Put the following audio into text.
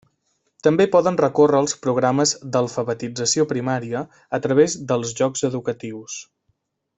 També poden recórrer als programes d'alfabetització primària a través de jocs educatius.